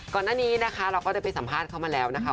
ก่อนหน้านี้นะคะเราก็ได้ไปสัมภาษณ์เขามาแล้วนะคะ